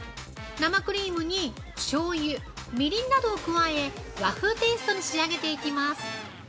生クリームに、しょうゆ、みりんなどを加え和風テイストに仕上げていきます。